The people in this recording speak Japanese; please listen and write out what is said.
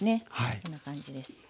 こんな感じです。